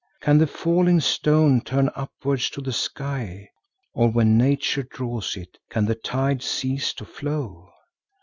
Can the falling stone turn upwards to the sky, or when Nature draws it, can the tide cease to flow?